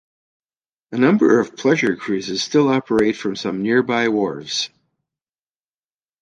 A number of pleasure cruises still operate from some nearby wharves.